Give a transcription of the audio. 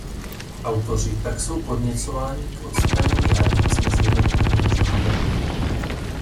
Autoři tak jsou podněcování k odstranění hranic mezi jednotlivými žánry.